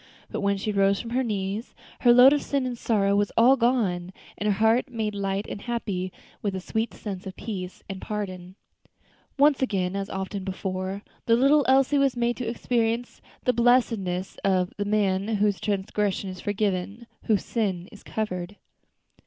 But when she rose from her knees, her load of sin and sorrow was all gone, and her heart made light and happy with a sweet sense of peace and pardon. Once again, as often before, the little Elsie was made to experience the blessedness of "the man whose transgression is forgiven, whose sin is covered."